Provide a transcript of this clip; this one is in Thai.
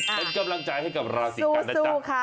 เป็นกำลังใจให้กับราศีกันนะจ๊ะ